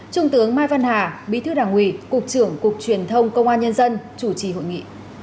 trung tướng mai văn hà bí thư đảng ủy cục trưởng cục truyền thông công an nhân dân chủ trì hội nghị